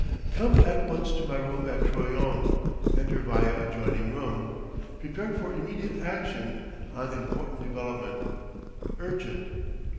_"Come at once to my room at Troyon's. Enter via adjoining room prepared for immediate action on important development. Urgent.